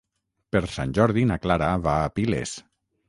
Per Sant Jordi na Clara va a Piles.